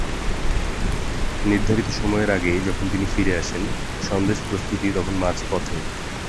নির্ধারিত সময়ের আগেই যখন তিনি ফিরে আসেন সন্দেশ প্রস্তুতি তখন মাঝপথে।